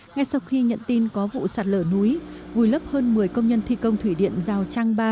ngay sau khi nhận tin có vụ sạt lở núi vùi lấp hơn một mươi công nhân thi công thủy điện giao trang ba